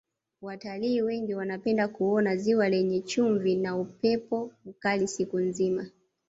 watalii wengi wanapenda kuona ziwa lenye chumvi na upepo mkali siku nzima